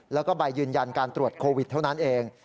แล้วก็ใบยืนยันการตรวจโควิดเท่านั้นเอง